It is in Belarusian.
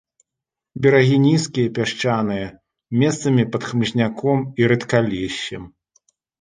Берагі нізкія, пясчаныя, месцамі пад хмызняком і рэдкалессем.